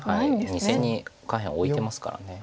２線に下辺オイてますから。